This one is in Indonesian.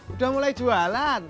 udah mulai jualan